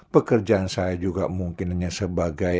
pekerjaan saya juga mungkinnya sebagai